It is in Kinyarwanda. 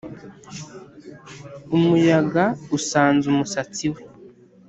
Umuyaga usanza umusatsi wawe,